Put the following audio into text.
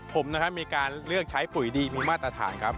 ผมนะครับมีการเลือกใช้ปุ๋ยดีมีมาตรฐานครับ